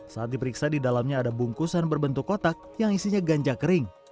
saat diperiksa di dalamnya ada bungkusan berbentuk kotak yang isinya ganja kering